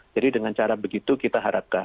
jadi dengan cara begitu kita harapkan